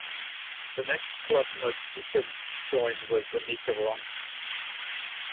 The next club Motyka joined was Amica Wronki.